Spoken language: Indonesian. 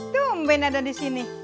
tumben ada di sini